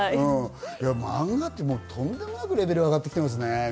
マンガってとんでもなくレベルが上がってきてますね。